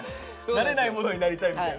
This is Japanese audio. なれないものになりたいって。